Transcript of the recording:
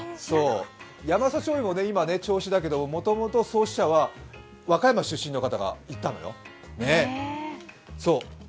ヤマサ醤油も銚子だけどもともと創始者は和歌山出身の方が行ったのよ。